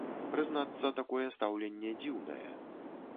Прызнацца, такое стаўленне дзіўнае.